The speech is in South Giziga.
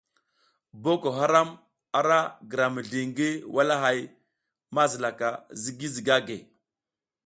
Boko haram ara gira mizli ngi walahay mazilaka ZIGI ZIGAGUE.